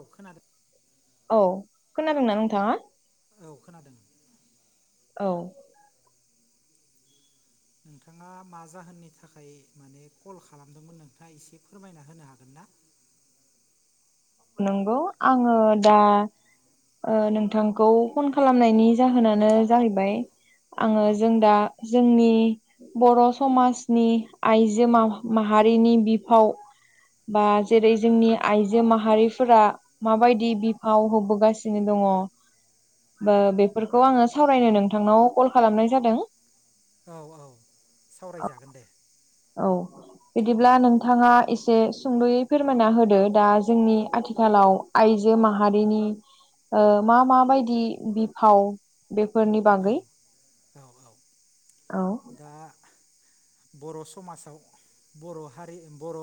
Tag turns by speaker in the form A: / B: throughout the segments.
A: औ खोनादों।
B: औ खोनादोंना नोंथाङा?
A: औ खोनादों।
B: औ।
A: नोंथाङा मा जाहोननि थाखाय माने कल खालामदोंमोन, नोंथाङा एसे फोरमायना होनो हागोन ना?
B: नंगौ आङो दा ओ नोंथांखौ फन खालामनायनि
A: नि
B: जाहोनानो
A: जाहोना
B: जाहैबाय, आङो
A: औ
B: जों दा जोंनि बर' समाजनि आइजो माव माहारिनि बिफाव बा जेरै जोंनि आइजो माह हारिफोरा माबायदि बिफाव होबोगासिनो दङ। ओ बेफोरखौ आङो सावरायनो नोंथांनाव कल खालामनाय जादों।
A: औ औ सावरायजागोन दे।
B: औ बिदिब्ला
A: औ
B: नों थाङा एसे सुंद'यै फोरमायना होदो, दा जोंनि आथिखालाव आइजो माहारिनि ओ मा मा बायदि बिफाव बेफोरनि बा
A: औ औ औ
B: औ
A: दा। बर' समाजाव बर' हारि बर'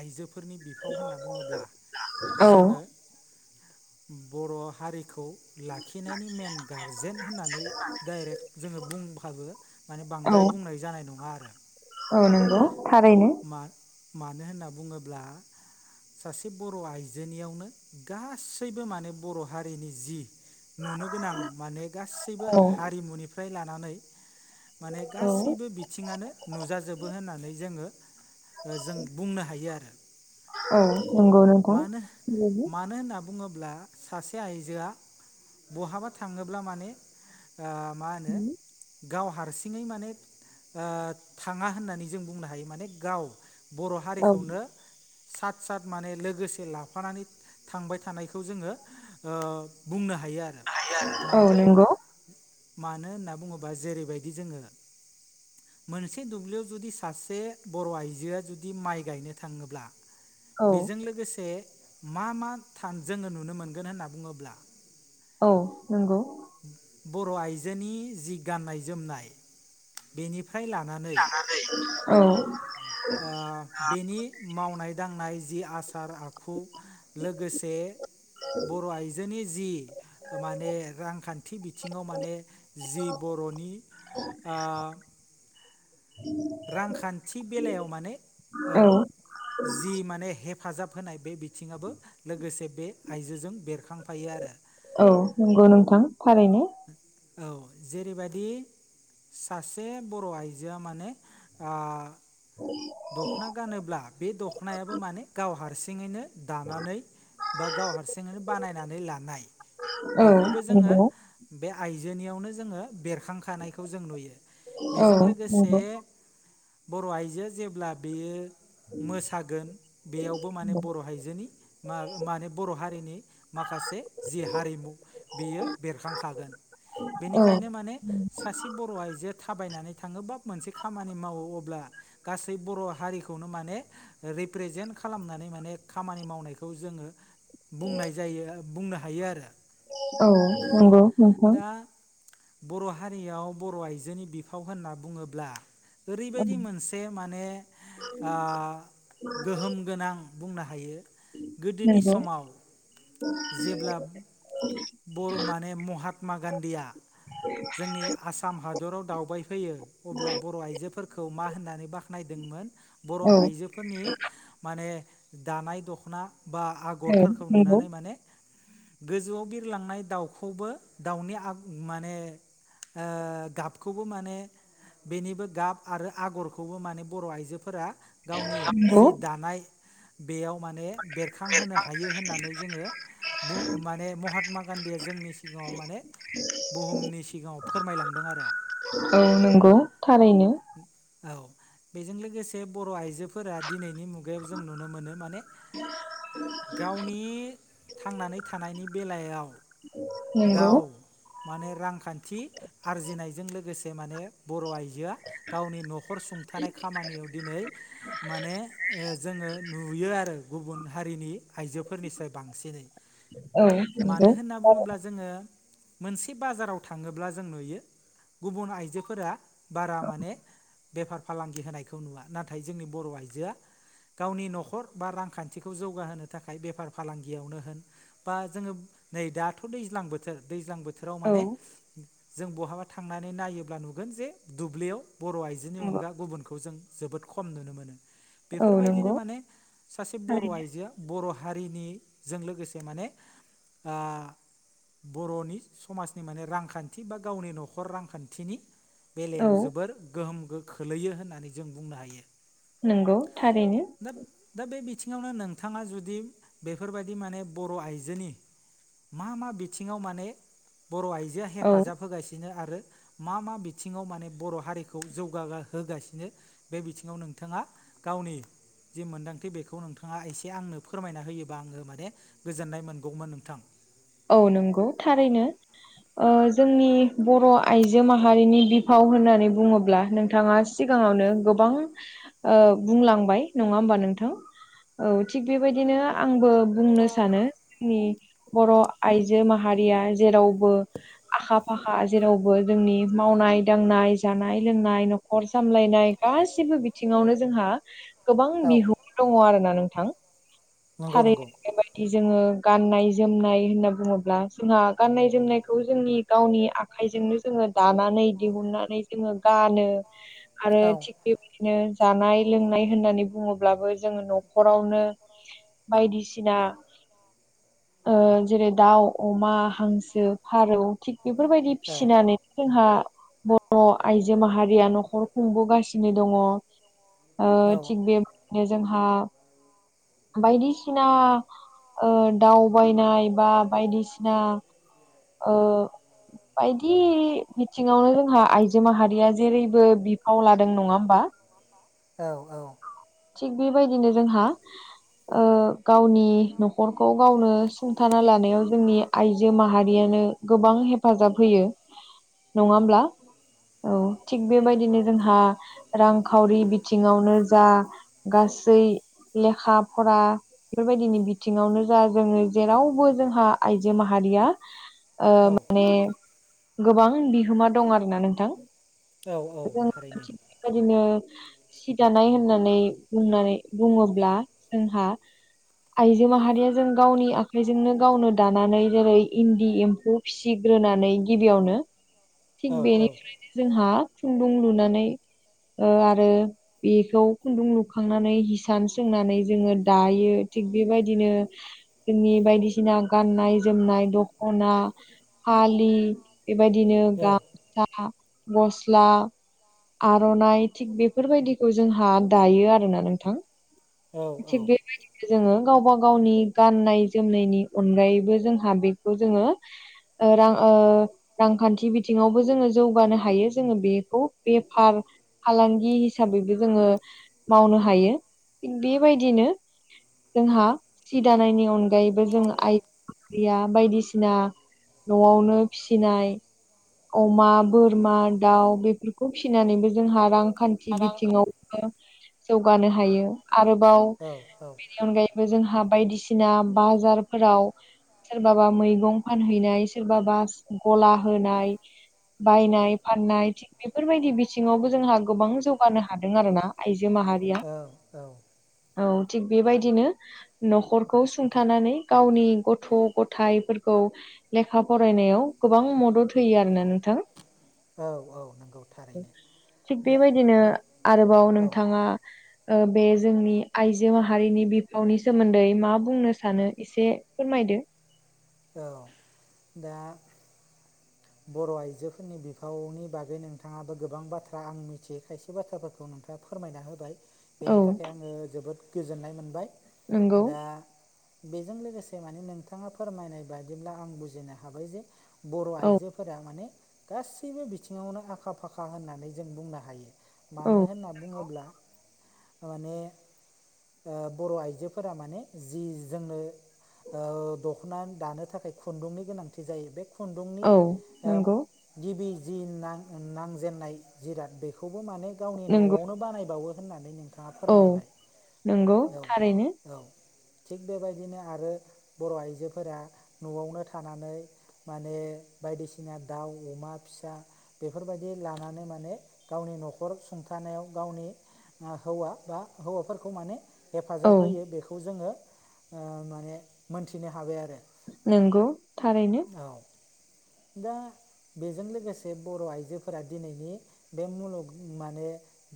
A: आइजोफोरनि बि फाव होनना बुङोब्ला
B: औ
A: जोङो बर' हारिखौ लाखिनायनि मेन गारजेन होननानै डाइरेक्ट जोङो बुंबाबो माने
B: औ
A: बांद्राय बुंनाय जानाय नङा आरो।
B: औ नंगौ थारैनो।
A: मा मानो होनना बुङोब्ला सासे बर' आइजोनियावनो गासैबो माने बर' हारिनि जि नुनो गोनां माने गासैबो
B: औ
A: हारिमुनिफ्राय लानानै माने गासैबो बिथिङानो नुजाजोबो होननानै जोङो जों बुंनो हायो आरो।
B: औ नंगौ नोंथां
A: मानो मानो होनना बुङोब्ला सासे आइजोआ बहाबा थाङोब्ला माने ओ मा होनो गाव हारसिङै माने ओ थाङा होननानै जों बुंनो हायो माने गाव बर'
B: औ
A: हारिखौनो सात सात माने लोगोसे लाफानानै थांबाय थानायखौ जोङो ओ बुंनो हायो आरो।
B: [unintelligible]
A: मान
B: औ नंगौ
A: मानो होनना बुङोबा जेरैबायदि जोङो मोनसे दुब्लियाव जुदि सासे बर' आइजोआ जुदि माइ गायनो थाङोब्ला
B: औ
A: बेजों लोगोसे मा मा थान जोङो नुनो मोनगोन होनना बुङोब्ला
B: औ नंगौ।
A: बर' आइजोनि जि गाननाय जोमनाय बेनि फ्राय लानानै
B: औ
A: आ बेनि मावनाय दांनाय जि आस सार आखु लोगोसे बर' आइजोनि जि माने रांखान थि बिथिङाव माने जि बर'नि आ रांखान्थि बेलायाव माने ओ
B: औ
A: जि माने हेफाजाब होनाय बे बिथिं बिथिङाबो लोगोसे बे आइजोजों बेरखांफायो आरो
B: औ नंगौ नोंथां थारैनो।
A: औ जेरैबायदि सासे बर' आइजोआ माने ओ दख'ना गानोब्ला बे दख'नायाबो माने गाव हारसिंङैनो दानानै बा गाव हारसिंयैनो बानायनानै लानाय।
B: औ
A: बेखौबो जोङो
B: नंगौ
A: बे आइजोनियावनो जोंङो बेरखां खानायखौ जों नुयो
B: औ
A: बेजों लोगोसे
B: नंगौ
A: बर' आइजो जेब्ला बेयो मोसागोन बेयावबो माने बर' आइजोनि माने बर' हारिनि माखासे जि हारिमु बेयो बेरखांखागोन
B: औ
A: बेनिखायनो माने सासे बर' आइजोआ थाबायनानै थांङोबा मोनसे खामानि मावो अब्ला गासै बर' हारिखौनो माने रिप्रेजेन्ट खालामनानै माने खामानि मावनायखौ जोंङो बुंनाय जायो बुंनो हायो आरो
B: औ नंगौ नोंथां।
A: दा बर' हारियाव बर' आइजोनि बिफाव होनना बुङोब्ला
B: औ
A: ओरैबायदि मोनसे माने गोहोम गोनां बुंनो हायो। गोदोनि
B: नंगौ
A: समाव जेब्ला
B: [inaudible]
A: बर माने महात्मा गान्धीया जोंनि आसाम हादराव दावबायफैयो अब्ला बर' आइजोफोरखौ मा होननानै बाख्नायदोंमोन बर'
B: औ
A: आइजोफोरनि माने दानाय दख'ना बा
B: औ
A: आगरफोरखौ
B: नंगौ
A: नुनानै माने गोजौआव बिरलांनाय दाउखौबो दाउनि आ माने गाबखौबो माने बेनिबो गाब आरो आगरखौ बेखौबो माने बर' आइजोफोरा गावनि
B: नंगौ
A: जि दानाय बेयाव माने बेरखांहोनो हायो होननानै जोंङो बुं माने महात्मा गान्धीया जोंनि सिगांङाव माने बुहुमनि सिगांङाव फोरमायलांदों आरो
B: औ नंगौ थारैनो
A: औ बेजों लोगोसे बर' आइजोफोरा दिनैनि मुगायाव जों नुनो मोनो माने गावनि थांनानै थानायनि बेलायाव
B: नंगौ
A: गाव माने रांखान्थि आरजिनायजों लोगोसे माने बर' आइजोआ गावनि न'खर न'खर सुंथानाय खामानियाव दिनै माने जोंङो नुयो आरो गुबुन हारिनि आइजोफोरनिसाइ बांसिनै
B: औ
A: मानो
B: नंगौ
A: होनना बुंङोब्ला जोंङो मोनसे बाजाराव थांङोब्ला जों नुयो गुबुन आइजोफोरा बारा माने बेफार फालांगि होनायखौ नुवा नाथाय जोंनि बर' आइजोआ गावनि न'खर बा रांखान्थिखौ जौगाहोनो थाखाय बेफार फालांगियावनो होन बा जोंङो नै दाथ' दैज्लां बोथोर दैज्लां बोथोर बोथोराव
B: औ
A: माने जों बहाबा थांनानै नायोब्ला नुगोन जे दुब्लियाव बर'आ जिनि
B: नंगौ
A: अनगा गुबुनखौ जों जोबोद खम नुनो मोनो।
B: औ
A: बेफोरबायदिनो
B: नंगौ
A: माने सासे बर'
B: थारैनो
A: आइजोआ बर' हारिनिजों लोगोसे माने ओ बर'नि समाजनि माने रांखान्थि बा गावनि न'खर रांखान्थिनि
B: औ
A: बेलायाव जोबोर गोहोम खोलैयो होननानै जों बुंनो हायो
B: नंगौ थारैनो
A: दा दा बे बिथिङावनो नोंथाङा जुदि बेफोरबायदि माने बर' आइजोनि मा मा बिथिङाव माने बर' आइजो
B: औ
A: हेफाजाब होगासिनो आरो मा मा बिथिङाव माने बर' हारिखौ जौगा होगासिनो बे बिथिङाव नोंथाङा गावनि जि मोनदांथि बेखौ नोंथाङा एसे आंनो फोरमायना होयोबा आङो माने गोजोननाय मोनगौमोन नोंथां
B: औ नंगौ थारैनो जोंनि बर' आइजो माहारिनि बिफाव होननानै बुङोब्ला नोंथाङा सिगाङावनो गोबां ओ बुंलांबाय नङा होमबा नोंथां औ थिग बेबायदिनो आंबो बुंनो
A: आंबो
B: सानो
A: बुं
B: जोंनि बर' आइजो माहारिया जेरावबो आखा फाखा जेरावबो जोंनि मावनाय दांनाय जानाय लोंनाय खर सामलायनाय गासिबो बिथिङावनो जोंहा गोबां
A: औ
B: बिहोमा दङ आरो ना नोंथां
A: नंगौ नंगौ
B: थारैनो बेबायदि जोङो गाननाय जोमनाय होनना बुङोब्ला जोंहा गाननाय जोमनायखौ जोंनि गावनि आखाइजोंनो जोङो दानानै दिहुननानै जोङो गानो
A: [unintelligible]
B: आरो थिग बेबायदिनो जानाय लोंनाय होननानै बुङोब्लाबो जोङो न'खरावनो बायदिसिना ओ जेरै दाउ अमा हांसो फारौ थिग बेफोरबायदि
A: औ
B: फिसिनानै जोंहा बर' आइजो माहारिया न'खर खुंबोगासिनो दङ ओ थिग बेबायदिनो जोंहा बायदिसिना ओ दावबायनाय बा बायदिसिना ओ बायदि बिथिङावनो जोंहा आइजो माहारिया जेरैबो बिफाव लादों नङा होमबा
A: औ औ
B: थिग बेबायदिनो जोंहा ओ गावनि न'खरखौ गावनो सुंथाना लानायाव जोंनि आइजो माहारि नो गोबां हेफाजाब होयो नङा होमब्ला औ थिग बेबायदिनो जोंहा रांखावरि बिथिङावनो जा गासै लेखा फरा बेफोरबायदिनि बिथिङावनो जा जोङो जेरावबो जोंहा आइजो माहारिया ओ
A: औ
B: माने गोबां बिहोमा दं आरोना नोंथां
A: औ औ थारैनो
B: बिदिनो सि दानाय होननानै बुंनानै बुङोब्ला जोंहा आइजो माहारिया जों गावनि आखाइजोंनो गावनो दानानै जेरै इनदि एमफौ फिसिग्रोनानै गिबियावनो
A: औ
B: थिग बेनिफ्राय जोंहा खुनदुं लुनानै आरो बेखौ खुनदुं लुखांनानै हिसान सोंनानै जोङो दायो थिग बेबायदिनो जोंनि बायदिसिना गाननाय जोमनाय द खना फालि बेबायदिनो गाम सा गस्ला आर'नाइ थिग बेफोरबायदिखौ जोंहा दायो आरोना नोंथां
A: औ औ
B: थिग बिदिनो जोङो गावबा गावनि गाननाय जोमनायनि अनगायैबो जोंहा बेखौ जोङो ओ रां ओ रांखानथि बिथिङावबो जोङो जौगानो हायो जोङो बेखौ बेफार फालांगि हिसाबैबो जोङो मावनो हायो थिग बेबायदिनो जोंहा सि दानायनि अनगायैबो
A: नि
B: जों
A: अनगायै
B: आइदिया बायदिसिना न'आवनो फिसिनाय अमा बोरमा दाउ बेफोरखौ फिसिनानैबो जोंहा रां खानथि
A: रां
B: बिथिङावबो जौगानो हायो आरोबाव
A: औ
B: बेनि अनगायै बो जोंहा बायदिसिना बाजारफोराव सोरबाबा मैगं फानहैनाय सोरबाबा गला होनाय बायनाय फाननाय थि बेफोरबायदि बिथिङावबो जोंहा गोबां जौगानो हादों आरो ना आइजो माहारि
A: औ औ
B: औ थिग बेबायदिनो न'खरखौ सुंथानानै गावनि गथ' गथाइफोरखौ लेखा फरायनायाव गोबां मदद होयो आरोना नोंथां।
A: औ औ नंगौ थारैनो
B: थिग
A: दा
B: बेबायदिनो आरोबाव
A: औ
B: नोंथाङा ओ बे जोंनि आइजो माहारिनि बिफावनि सोमोन्दै मा बुंनो सानो एसे फोरमायदो।
A: औ दा बर' आइजोफोरनि बिफावनि बागै नोंथाङाबो गोबां बाथ्रा आं मिथियै खायसे बाथ्राफोरखौ नोंथां ङा फोरमायना होबाय।
B: औ
A: बेनि थाखाय आङो जोबोद गोजोननाय मोनबाय
B: नंगौ
A: दा बेजों लोगोसे माने नोंथाङा फोरमायनाय बादिब्ला आं बुजिनो हाबाय जे बर'
B: औ
A: आइजो फोरा माने गासैबो बिथिङावनो आखा फाखा होननानै जों बुंनो हायो।
B: औ
A: मानो होनना बुङोब्ला माने ओ बर' आइजोफोरा माने जि जोंनो ओ दख'ना दानो थाखाय खुनदुंनि गोनांथि जायो बे खुनदुंनि
B: औ नंगौ
A: गिबि जि नां नांजेननाय जिराद बेखौबो माने गावनि
B: नंगौ
A: न'आवनो बानायबावो होननानै नों नोंथाङा
B: औ
A: फोरमायबाय
B: नंगौ
A: औ
B: थारैनो
A: औ थिग बेबायदिनो आरो बर' आइजोफोरा न'आवनो थानानै माने बायदिसिना दाउ अमा फिसा बेफोरबायदि लानानै माने गावनि न'खर सुंथानायाव गावनि ओ हौवा बा हौवाफोरखौ माने हेफाजाब
B: औ
A: होयो बेखौ जोङो ओ माने मोनथिनो हाबाय आरो।
B: नोंगौ थारैनो
A: औ दा बेजों लोगोसे बर' आइजोफोरा दिनैनि बे मुलुग माने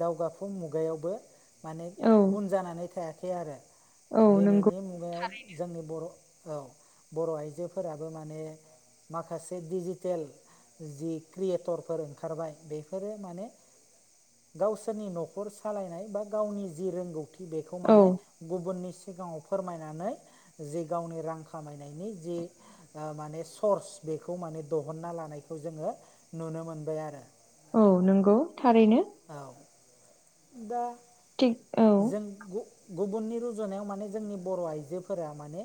A: दावगाफुं मुगायावबो माने
B: औ
A: उन जानानै थायाखै आरो
B: औ नंगौ
A: दिनैनि मुगायाव जोंनि बर' औ बर' आइजोफोराबो माने माखासे बे डिजिटेल जि क्रियेटरफोर ओंखारबाय बेफोरो माने गावसोरनि न'खर सालायनाय बा गावनि जि रोंगौथि बेखौ
B: औ
A: माने गुबुननि सिगाङाव फोरमायनानै जि गावनि रां खामायनायनि जि ओ माने सर्स बेखौ माने दहनना लानायखौ जोङो नुनो मोनबाय आरो।
B: औ नोंगौ थारैनो
A: औ दा
B: थिग औ
A: जों गु गुबुननि रुजुनायाव माने जोंनि बर' आइजोफोरा माने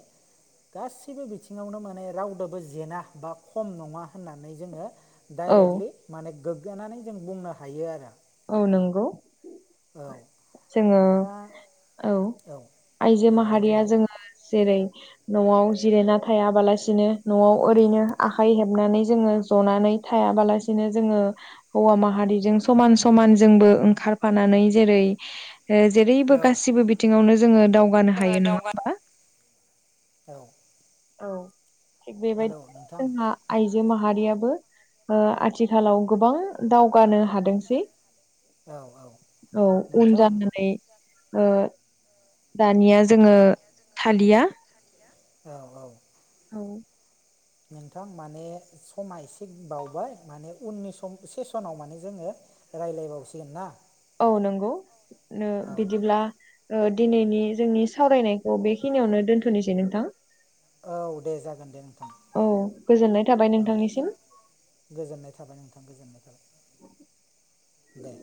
A: गासिबो बिथिङावनो माने रावदोबो जेना बा खम नङा होननानै जोङो
B: औ
A: डाइरेक्टलि माने गोगगानै जों बुंनो हायो आरो।
B: औ नोंगौ
A: औ
B: जोङो
A: दा
B: औ आइजो
A: औ दे
B: माहारिया
A: बुंलाय
B: जोङो जेरै न'आव जिरायना थायाबालासिनो न'आव ओरैनो आखाइ हेबनानै जोङो जनानै थायाबालासिनो जोङो हौवा माहारिजों समान समान जोंबो ओंखारफानानै जेरै ओ
A: औ
B: जेरैबो
A: जोङो
B: गासिबो बिथिङावनो जोङो दावगानो हायो नङा
A: दावगा
B: होमबा
A: औ
B: औ थिग बेबायदि
A: हेलौ नोंथां
B: जोंहा आइजो माहारियाबो ओ आथिखालाव गोबां दावगानो हादोंसै
A: औ औ
B: औ उन
A: नोंथां
B: जानानै ओ दानिया जोङो थालिया
A: औ-औ
B: औ
A: नोंथां माने समा एसे बावबाय माने उननि सम सेसनाव माने जोङो रायलायबावसिगोन ना
B: औ नंगौ नो
A: औ
B: बिदिब्ला ओ दिनैनि जोंनि सावरायनायखौ बेखिनियावनो दोनथ'निसै नोंथां
A: औ दे जागोन दे नोंथां
B: औ गोजोननाय थाबाय
A: औ
B: नोंथांनिसिम
A: गोजोननाय थाबाय नोंथां गोजोननाय थाबाय दे